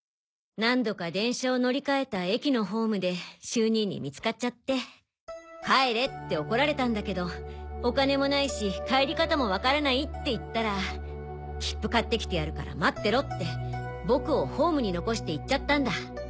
何度か電車を乗り換えた駅のホームで秀兄に見つかっちゃって「帰れ」って怒られたんだけどお金もないし帰り方もわからないって言ったら「切符買ってきてやるから待ってろ」って僕をホームに残して行っちゃったんだ。